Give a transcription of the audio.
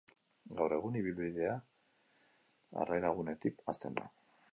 Gaur egun, ibilbidea harrera-gunetik hasten da.